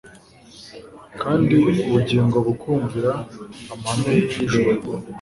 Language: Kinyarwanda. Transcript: kandi ubugingo bukumvira amahame y'ijuru.